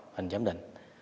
hình giám định